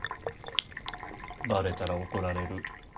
バレたら怒られる。